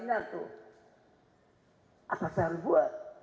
apa saya harus buat